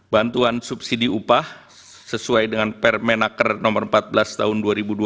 bantuan subsidi upah sesuai dengan permenaker no empat belas tahun dua ribu dua puluh